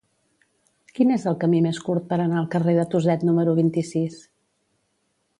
Quin és el camí més curt per anar al carrer de Tuset número vint-i-sis?